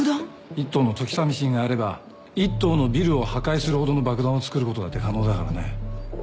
１ｔのトキサミシンがあれば１棟のビルを破壊するほどの爆弾を作ることだって可能だからね。